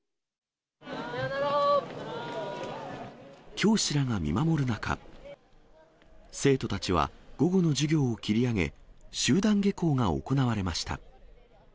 教師らが見守る中、生徒たちは午後の授業を切り上げ、集団下校が行われました。